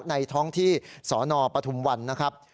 ท้องที่สนปฐุมวันนะครับ